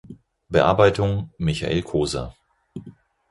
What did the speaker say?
Bearbeitung: Michael Koser.